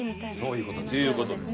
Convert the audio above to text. そういう事です。